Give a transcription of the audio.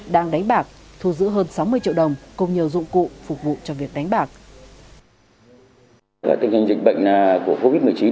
đang đánh bạc thu giữ hơn sáu mươi triệu đồng cùng nhiều dụng cụ phục vụ cho việc đánh bạc